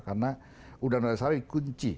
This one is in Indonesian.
karena undang undang dasar ini kunci